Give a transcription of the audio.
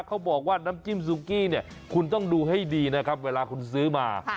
เขาบอกว่าน้ำจิ้มซุกี้เนี่ยคุณต้องดูให้ดีนะครับเวลาคุณซื้อมา